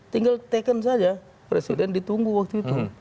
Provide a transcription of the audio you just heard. tinggal teken saja presiden ditunggu waktu itu